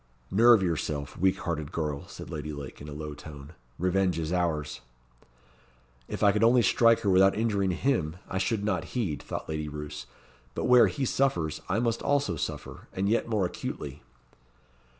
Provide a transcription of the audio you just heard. "Nerve yourself, weak hearted girl," said Lady Lake, in a low tone. "Revenge is ours." "If I could only strike her without injuring him, I should not heed," thought Lady Roos. "But where he suffers, I must also suffer, and yet more acutely."